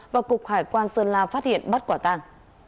và cục hải quan sơn la phát hiện bắt quả tàng